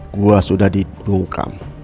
gue sudah didungkam